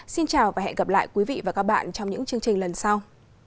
xin chào và hẹn gặp lại quý vị và các bạn trong những chương trình lần sau